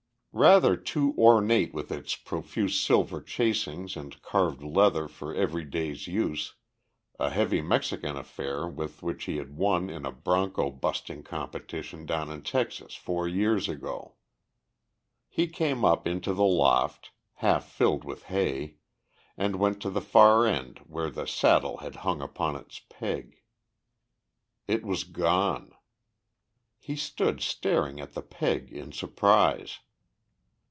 Rather too ornate with its profuse silver chasings and carved leather for every day's use, a heavy Mexican affair which he had won in a bronco "busting" competition down in Texas four years ago. He came up into the loft, half filled with hay, and went to the far end where the saddle had hung upon its peg. It was gone. He stood staring at the peg in surprise.